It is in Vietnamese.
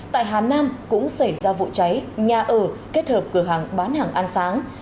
tại hà nam cũng xảy ra vụ cháy nhà ở kết hợp cửa hàng bán hàng ăn sáng